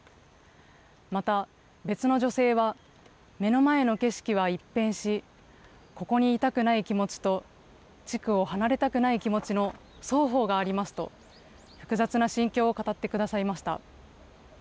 また、別の女性は、目の前の景色は一変し、ここにいたくない気持ちと、地区を離れたくない気持ちの双方がありますと、複雑な心境を語ってくださいました。